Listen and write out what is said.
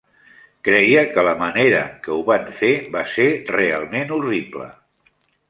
Creia que la manera en què ho van fer va ser realment horrible.